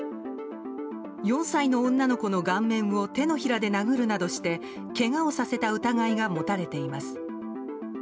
４歳の女の子の顔面を手のひらで殴るなどしてけがをさせた疑いが持たれています。